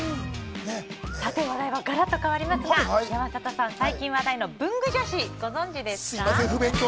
話題はがらりと変わりますが山里さん、最近話題の文具女子ご存じですか。